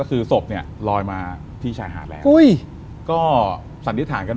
ทีนี้ก็เลยเกิดเรื่องบุญวายเลย